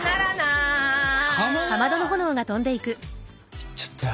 行っちゃったよ。